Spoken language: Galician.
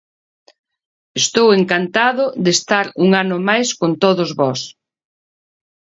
Estou encantado de estar un ano máis con todos vós.